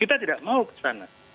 kita tidak mau ke sana